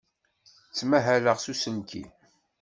Ttmahaleɣ s uselkim.